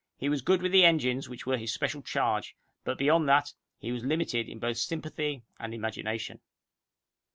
He was good with the engines which were his special charge, but beyond that, he was limited in both sympathy and imagination.